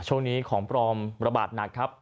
ช่วงนี้ของปลอมระบาดหนักครับ